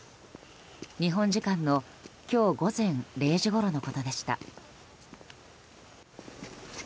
日本時間の今日午前０時ごろのことでした。